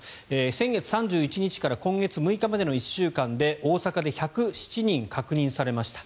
先月３１日から１１月６日の１週間で大阪で１０７人確認されました。